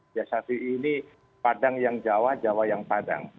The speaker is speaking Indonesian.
biasa sih ini padang yang jawa jawa yang padang